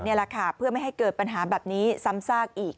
นี่แหละค่ะเพื่อไม่ให้เกิดปัญหาแบบนี้ซ้ำซากอีก